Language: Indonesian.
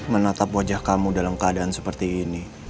menatap wajah kamu dalam keadaan seperti ini